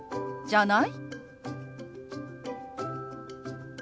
「じゃない？」。